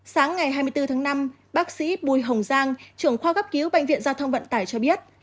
sáng ngày hai mươi bốn tháng năm bác sĩ bùi hồng giang trưởng khoa gấp cứu bệnh viện giao thông vận tải cho biết